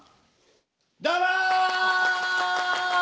どうも！